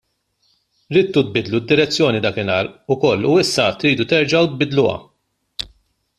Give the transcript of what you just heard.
Ridtu tbiddlu d-direzzjoni dakinhar ukoll u issa tridu terġgħu tbiddluha.